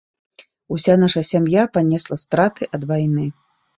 Уся наша сям'я панесла страты ад вайны.